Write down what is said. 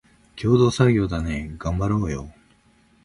共同作業だね、がんばろーよ